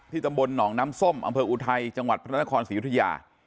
ตำบลหนองน้ำส้มอำเภออุทัยจังหวัดพระนครศรียุธยา